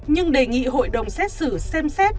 nhưng đề nghị hội đồng xét xử xem xét